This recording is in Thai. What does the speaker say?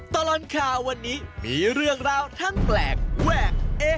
ตลอดข่าววันนี้มีเรื่องราวทั้งแปลกแวกเอ๊